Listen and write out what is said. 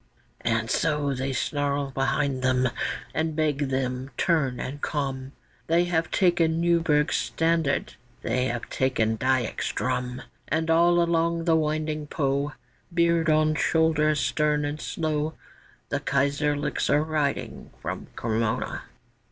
And so they snarl behind them, and beg them turn and come, They have taken Neuberg's standard, they have taken Diak's drum; And along the winding Po, Beard on shoulder, stern and slow The Kaiserlics are riding from Cremona.